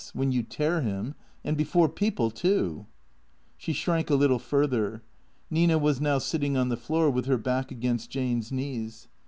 When you tear him — and before people, too." She shrank a little further. Nina was now sitting on the floor with her back against Jane's knees.